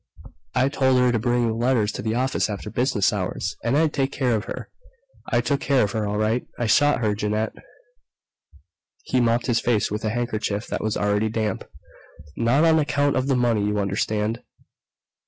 "I told her to bring the letters to the office after business hours, and I'd take care of her. I took care of her, all right. I shot her, Jeannette!" He mopped his face with a handkerchief that was already damp. "Not on account of the money, you understand.